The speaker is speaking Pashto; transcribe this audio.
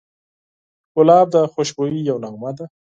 ګلاب د خوشبویۍ یوه نغمه ده.